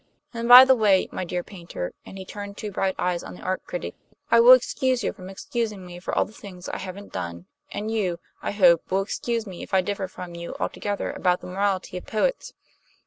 And, by the way, my dear Paynter" and he turned two bright eyes on the art critic "I will excuse you from excusing me for all the things I haven't done; and you, I hope, will excuse me if I differ from you altogether about the morality of poets.